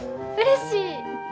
うれしい。